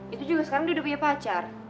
itu juga sekarang dia udah punya pacar